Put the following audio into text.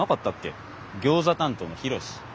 ギョーザ担当のヒロシ。